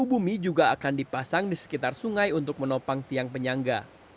pembangunan jawa barat juga akan dipasang di sekitar sungai untuk menopang tiang penyangga